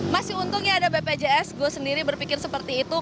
masih untung ya ada bpjs gue sendiri berpikir seperti itu